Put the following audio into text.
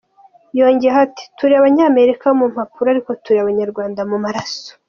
Yongeyeho ati "Turi Abanyamerika mu mpapuro ariko turi Abanyarwanda mu maraso.